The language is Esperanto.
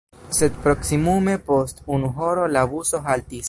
Sed proksimume post unu horo la buso haltis.